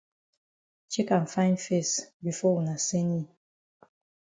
Chek am fine fes before wuna send yi.